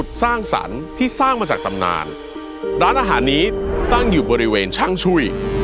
สร้างสรรค์ที่สร้างมาจากตำนานร้านอาหารนี้ตั้งอยู่บริเวณช่างช่วย